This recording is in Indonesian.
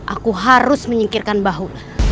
aku harus menyingkirkan bahu